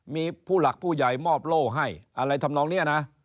มีผู้หลักผู้ใหญ่มอบโล่ให้อะไรทำนองนี้นะ